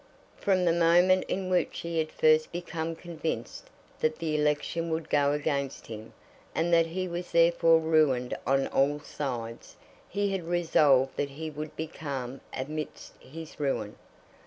From the moment in which he had first become convinced that the election would go against him, and that he was therefore ruined on all sides, he had resolved that he would be calm amidst his ruin.